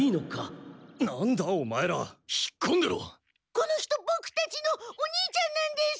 この人ボクたちのお兄ちゃんなんです。